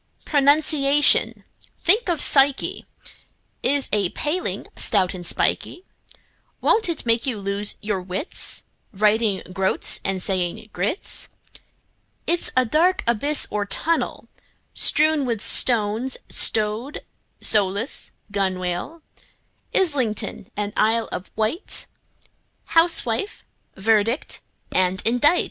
Pronunciation—think of psyche!— Is a paling, stout and spikey; Won't it make you lose your wits, Writing "groats" and saying groats? It's a dark abyss or tunnel, Strewn with stones, like rowlock, gunwale, Islington and Isle of Wight, Housewife, verdict and indict!